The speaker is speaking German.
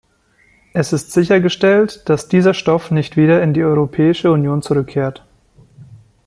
Es ist sichergestellt, dass dieser Stoff nicht wieder in die Europäische Union zurückkehrt.